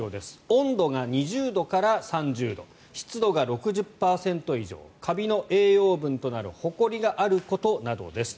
温度が２０度から３０度湿度が６０％以上カビの栄養分となるほこりがあることなどです。